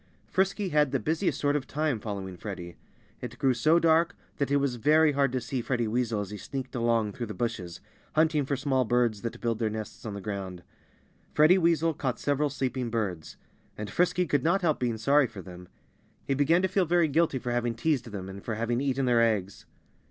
Frisky had the busiest sort of time following Freddie. It grew so dark that it was very hard to see Freddie Weasel as he sneaked along through the bushes, hunting for small birds that build their nests on the ground. Freddie Weasel caught several sleeping birds. And Frisky could not help being sorry for them. He began to feel very guilty for having teased them, and for having eaten their eggs.